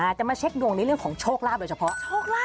จะมาเช็คดวงในเรื่องของโชคลาภโดยเฉพาะโชคลาภ